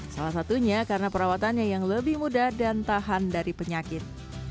salah satunya karena perawatannya yang lebih mudah dan tahan dari penyakit